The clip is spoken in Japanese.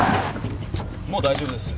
もう大丈夫です。